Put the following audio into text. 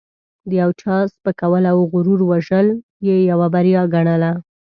د یو چا سپکول او غرور وژل یې یوه بریا ګڼله.